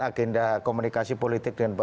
agenda komunikasi politik dengan